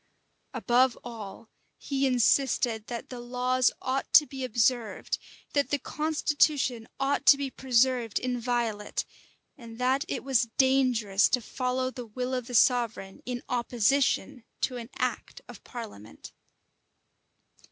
[] Above all, he insisted that the laws ought to be observed, that the constitution ought to be preserved inviolate, and that it was dangerous to follow the will of the sovereign, in opposition to an act of parliament.